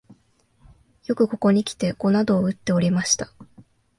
よくここにきて碁などをうっておりました